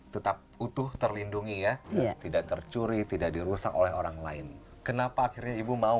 tetap utuh terlindungi ya tidak tercuri tidak dirusak oleh orang lain kenapa akhirnya ibu mau